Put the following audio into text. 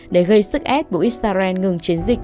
để gây sức ép của israel ngừng chiến dịch